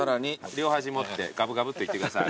両端持ってガブガブっといってください。